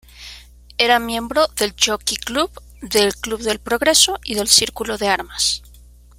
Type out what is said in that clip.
Era miembro del Jockey Club, del Club del Progreso y del Círculo de Armas.